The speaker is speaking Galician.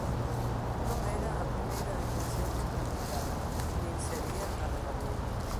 Non era a primeira detención que practicara, nin sería a derradeira.